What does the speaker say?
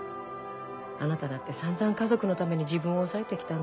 あなただってさんざん家族のために自分を抑えてきたんだもん。